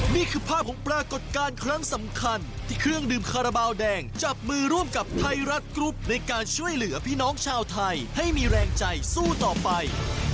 นี่คือภาพของปรากฏการณ์ครั้งสำคัญที่เครื่องดื่มคาราบาลแดงจับมือร่วมกับไทยรัฐกรุ๊ปในการช่วยเหลือพี่น้องชาวไทยให้มีแรงใจสู้ต่อไป